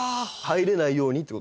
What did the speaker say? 入れないように。